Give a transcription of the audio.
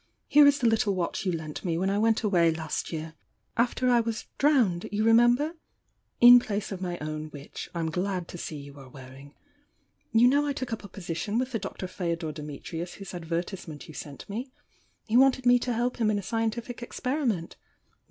Here is the little watch you lent me when I went away last year after I was drowned, you remember? m place of my own which I'm Jtlad to see you are wearing. You know FtTk up a^osition with the Dr. Ffodor Dimitnus whose advertisement you sent me he wanted me to help him in a scientific experiment.